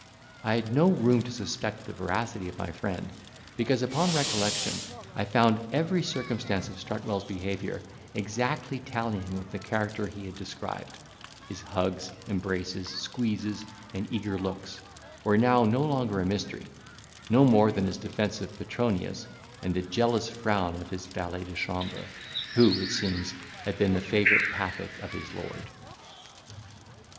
I had no room to suspect the veracity of my friend, because, upon recollection, I found every circumstance of Strutwell's behaviour exactly tallying with the character he had described; his hugs, embraces, squeezes, and eager looks, were now no longer a mystery; no more than his defence of Petronius, and the jealous frown of his valet de chambre, who, it seems, had been the favourite pathic of his lord.